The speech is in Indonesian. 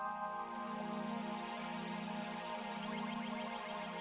tidak ada apa apa